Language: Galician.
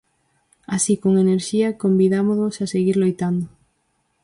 Así, con enerxía, convidámolos a seguir loitando.